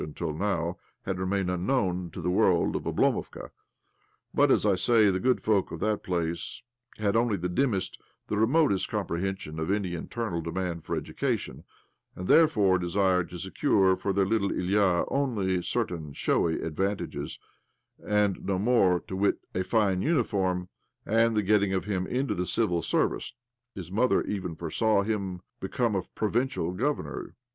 OBLOMOV 149 now had remained unknown to the world of Oblomovka ; but, as I say, the good folk of that place had only the dimmest, the remotest, comprehension of any internal de mand for education, and therefore desired to secure for their little Ilya only certain showy advantages, and no more — to wit, a fine uniform, and the getting of him into the Civil Service (his mother even foresaw him become a provincial governor!).